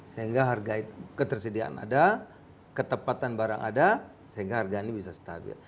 sehingga harga ketersediaan ada ketepatan barang ada sehingga harga ini bisa stabil